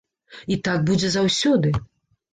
І так будзе заўсёды.